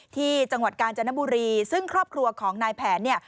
ที่จังหวัดกาญจนบุรีซึ่งครอบครัวของนายแผนเนี่ย